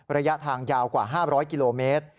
ระยะทางยาวกว่า๕๐๐กิโลเมตร